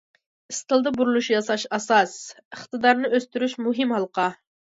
ئىستىلدا بۇرۇلۇش ياساش ئاساس، ئىقتىدارنى ئۆستۈرۈش مۇھىم ھالقا.